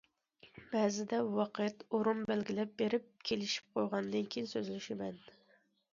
بەزىدە ۋاقىت، ئورۇن بەلگىلەپ بېرىپ كېلىشىپ قويغاندىن كېيىن سۆزلىشىمەن.